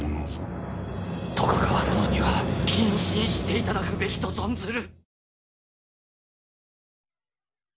徳川殿には謹慎していただくべきと存ずる！